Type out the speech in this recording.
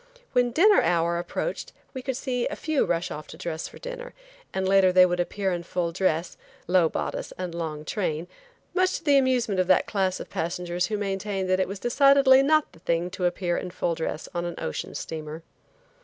When dinner hour approached we would see a few rush off to dress for dinner and later they would appear in full dress, low bodice and long train, much to the amusement of that class of passengers who maintained that it was decidedly not the thing to appear in full dress on an ocean steamer.